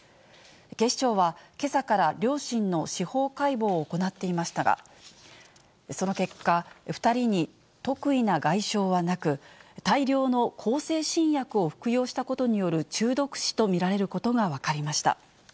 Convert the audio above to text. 警視庁は、けさから両親の司法解剖を行っていましたが、その結果、２人に特異な外傷はなく、大量の向精神薬を服用したことによる中毒死と見られることが分かりました。